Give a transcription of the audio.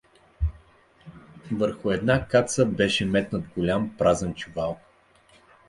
Върху една каца беше метнат голям празен чувал.